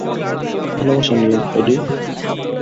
ভালোবাসা নিও, এডি।